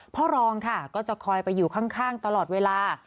พ่อรองค่ะก็จะคอยไปอยู่ข้างตลอดเวลา